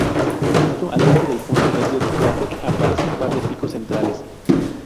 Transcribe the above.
Justo al este del punto medio del cráter aparece un par de picos centrales.